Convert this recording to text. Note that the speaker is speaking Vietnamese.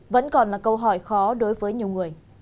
vẫn còn là câu hỏi khó đối với nhiều người